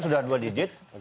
sudah dua digit